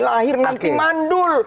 lahir nanti mandul